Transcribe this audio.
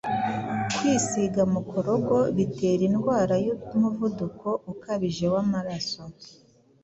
kwisiga mukorogo bitera indwara y’umuvuduko ukabije w’amaraso